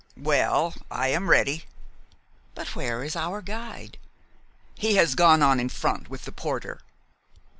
"Well, I am ready." "But where is our guide?" "He has gone on in front with the porter."